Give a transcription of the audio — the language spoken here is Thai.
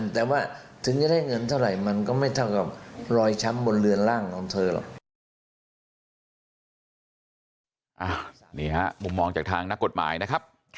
แต่ว่าถึงจะได้เงินเท่าไหร่มันก็ไม่เท่ากับรอยช้ำบนเรือนล่างของเธอหรอก